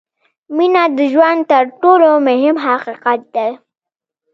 • مینه د ژوند تر ټولو مهم حقیقت دی.